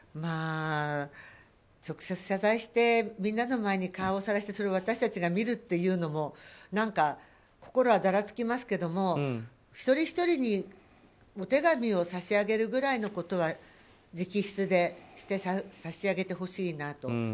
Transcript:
直接謝罪してみんなの前に顔をさらしてそれを私たちが見るというのも心はざらつきますけど一人ひとりにお手紙を差し上げるぐらいのことは直筆でして差し上げてほしいなと。